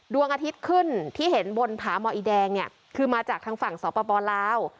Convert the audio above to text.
ดวงอาทิตย์ขึ้นที่เห็นบนผาหมออีแดงคือมาจากทางฝั่งศาสตร์ปะปอลาว